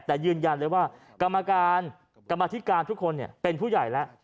แต่ยืนยันเลยว่ากรรมการกรรมธิการทุกคนเป็นผู้ใหญ่แล้ว